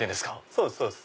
そうですそうです。